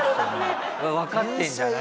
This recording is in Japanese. わかってるんじゃない？